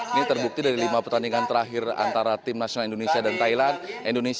ini terbukti dari lima pertandingan terakhir antara tim nasional indonesia dan thailand